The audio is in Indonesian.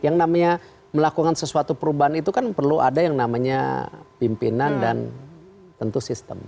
yang namanya melakukan sesuatu perubahan itu kan perlu ada yang namanya pimpinan dan tentu sistem